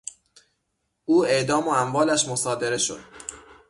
او اعدام و اموالش مصادره شد.